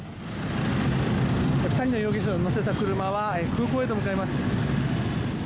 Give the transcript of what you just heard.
２人の容疑者を乗せた車は空港へと向かいます。